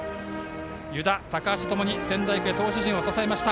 湯田、高橋ともに仙台育英、投手陣を支えました。